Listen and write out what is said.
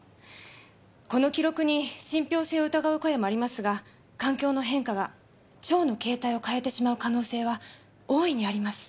この記録に信憑性を疑う声もありますが環境の変化が蝶の形体を変えてしまう可能性は大いにあります。